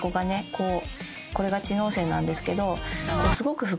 こうこれが知能線なんですけど。